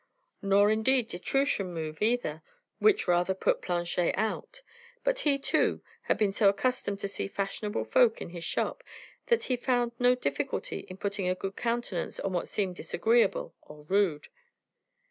Nor indeed did Truchen move either, which rather put Planchet out; but he, too, had been so accustomed to see fashionable folk in his shop, that he found no difficulty in putting a good countenance on what seemed disagreeable or rude.